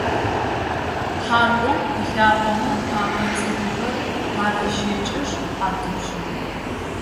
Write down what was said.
Тхьаркъом ылъакъомэ тхьэпэ цӏыкӏухэр къаращэкӏышъ атӏупщы.